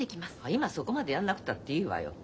今そこまでやんなくったっていいわよ。